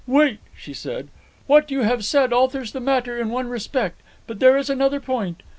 "Wait!" she said. "What you have said alters the matter in one respect; but there is another point.